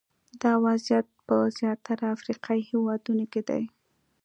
دا وضعیت په زیاتره افریقایي هېوادونو کې دی.